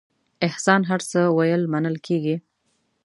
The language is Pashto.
احسان هر څه ویل منل کېږي.